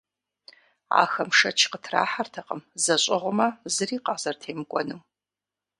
Ахэм шэч къытрахьэртэкъым зэщӏыгъумэ, зыри къазэрытемыкӏуэнум.